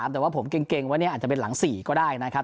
แต่ว่าผมเกรงว่าอาจจะเป็นหลัง๔ก็ได้นะครับ